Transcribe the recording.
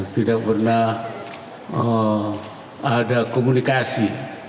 tidak pernah ada komunikasi